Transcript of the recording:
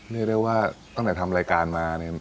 เรียกได้ว่าตั้งแต่ทำรายการมาเนี่ย